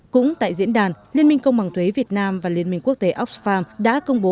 cũng tại diễn đàn liên minh công bằng thuế việt nam và liên minh quốc tế oxfam đã công bố